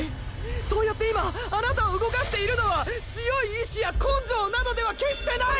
そうやって今あなたを動かしているのは強い意志や根性などでは決してない！！